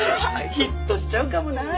ヒットしちゃうかもなあ。